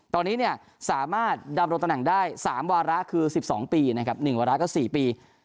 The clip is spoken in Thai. ตอนนี้สามารถดำรงตำแหน่งได้๓วาระคือ๑๒ปีนะครับ๑วาระก็๔ปี